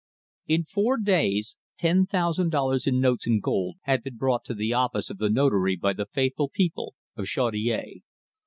In four days ten thousand dollars in notes and gold had been brought to the office of the Notary by the faithful people of Chaudiere.